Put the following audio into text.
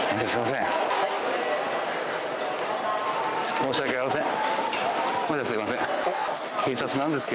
申し訳ありません。